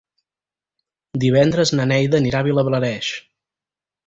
Divendres na Neida anirà a Vilablareix.